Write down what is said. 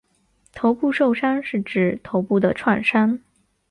头部受伤是指头部的创伤。